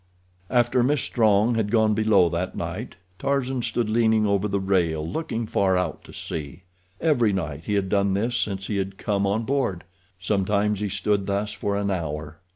After Miss Strong had gone below that night Tarzan stood leaning over the rail looking far out to sea. Every night he had done this since he had come on board—sometimes he stood thus for an hour.